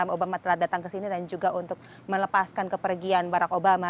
begitu karena obama telah datang ke sini dan juga untuk melepaskan kepergian barack obama